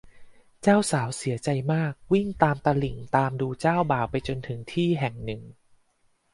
เจ้าสาวเสียใจมากวิ่งตามตลิ่งตามดูเจ้าบ่าวไปจนถึงที่แห่งหนึ่ง